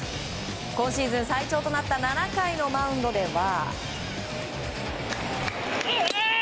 今シーズン最長となった７回のマウンドでは。